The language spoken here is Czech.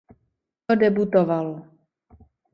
To debutovalo.